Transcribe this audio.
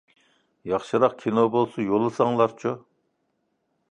ياخشىراق كىنو بولسا يوللىساڭلارچۇ.